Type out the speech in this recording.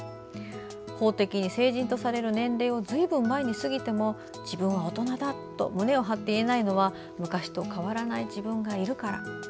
法的に成人とされる年齢をずいぶん前に過ぎても自分は大人だと胸を張って言えないのは昔と変わらない自分がいるから。